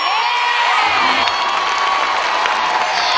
ร้องได้ให้ร้าน